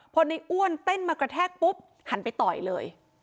พอในอ้วนเต้นมากระแทกปุ๊บหันไปต่อยเลย